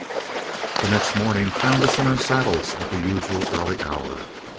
The next morning found us in our saddles at the usual early hour.